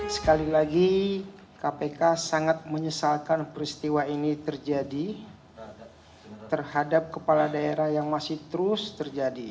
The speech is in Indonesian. sekali lagi kpk sangat menyesalkan peristiwa ini terjadi terhadap kepala daerah yang masih terus terjadi